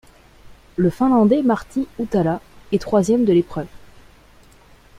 Le Finlandais Martti Huhtala est troisième de l'épreuve.